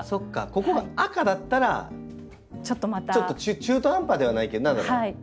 ここが赤だったらちょっと中途半端ではないけど何だろうな。